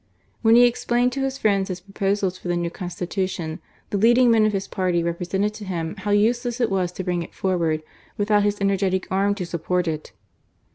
When he explained to his friends his proposals for the new Constitution, the leading men of his party represented to him how useless it was to bring it forward without his energetic arm to support it.